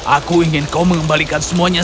aku ingin kau mengembalikan semuanya